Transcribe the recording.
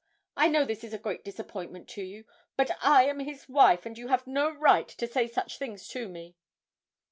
I know this is a great disappointment to you, but I am his wife you have no right to say such things to me.'